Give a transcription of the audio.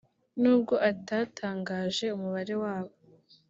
n’ubwo atatangaje umubare wabo